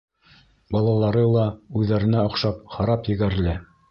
Балалары ла, үҙҙәренә оҡшап, харап егәрле.